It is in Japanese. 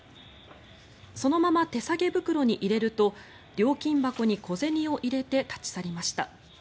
そのまま手提げ袋に入れると料金箱に小銭を入れて立ち去りました。